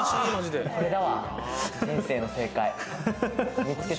これだわ、人生の正解。